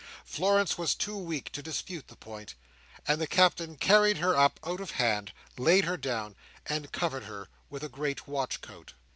Florence was too weak to dispute the point, and the Captain carried her up out of hand, laid her down, and covered her with a great watch coat.